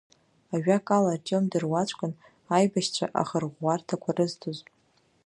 Ажәакала, Артиом дыруаӡәкын аибашьцәа ахырӷәӷәарҭақәа рызҭоз.